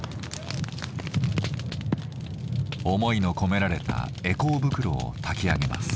想いの込められた回向袋を焚き上げます。